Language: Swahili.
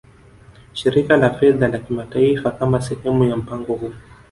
Shirika la Fedha la Kimataifa Kama sehemu ya mpango huu